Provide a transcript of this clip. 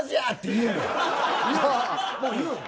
もう言うん？